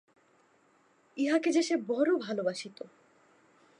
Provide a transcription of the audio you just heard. ইহাকে যে সে বড় ভালবাসিত!